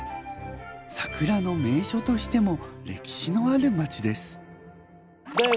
桜の名所としても歴史のある町です。